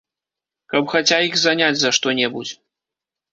Каб хаця іх заняць за што-небудзь.